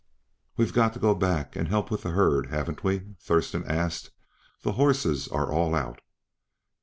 "We've got to go back and help with the herd, haven't we?" Thurston asked. "The horses are all out."